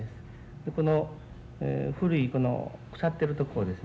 この古いこの腐ってるところをですね